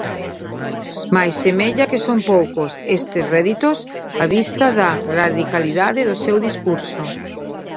Mais semella que son poucos estes réditos á vista da radicalidade do seu discurso.